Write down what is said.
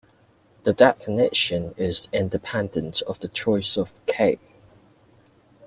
The definition is independent of the choice of "K".